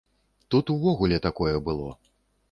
Тут увогуле такое было.